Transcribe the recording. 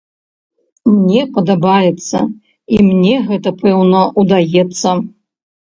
Мне падабаецца, і мне гэта, пэўна, удаецца.